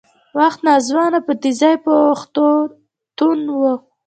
وخت ناځوانه په تېزۍ په اوښتون و